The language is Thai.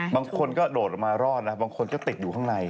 บางคนก็โดดออกมารอดนะบางคนก็ติดอยู่ข้างใน